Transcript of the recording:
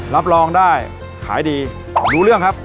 รับรองได้ขายดีรู้เรื่องครับ